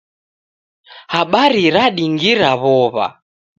Habari radingira w'ow'a.